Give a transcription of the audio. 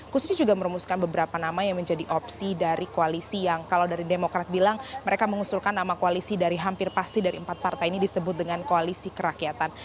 khususnya juga merumuskan beberapa nama yang menjadi opsi dari koalisi yang kalau dari demokrat bilang mereka mengusulkan nama koalisi dari hampir pasti dari empat partai ini disebut dengan koalisi kerakyatan